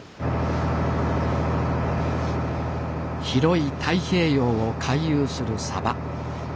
広い太平洋を回遊するサバ。